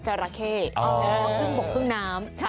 จราเข้ขึ้นบกขึ้นน้ำ